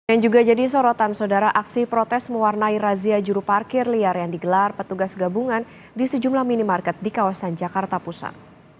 yang juga jadi sorotan saudara aksi protes mewarnai razia juru parkir liar yang digelar petugas gabungan di sejumlah minimarket di kawasan jakarta pusat